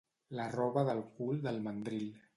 La roba del cul del mandril.